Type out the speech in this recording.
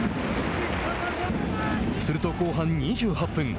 すると後半２８分。